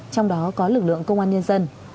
trong đó có lực lượng công an nhân dân